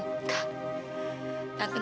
tante gak percaya